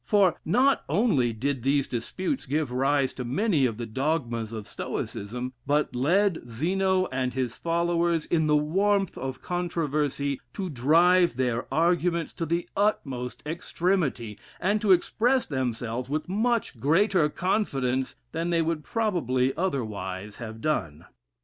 For, not only did these disputes give rise to many of the dogmas of Stoicism, but led Zeno and his followers, in the warmth of controversy, to drive their arguments to the utmost extremity, and to express themselves with much greater confidence than they would probably otherwise have done.